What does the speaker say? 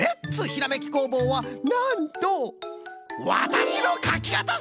ひらめき工房」はなんと「わたしのかきかた」